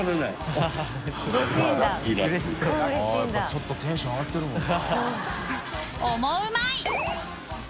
ちょっとテンション上がってるもんな。